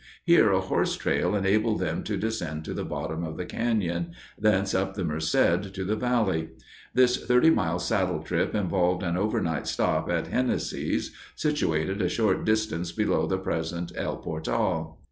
Here a horse trail enabled them to descend to the bottom of the canyon, thence up the Merced to the valley. This thirty mile saddle trip involved an overnight stop at Hennesey's, situated a short distance below the present El Portal.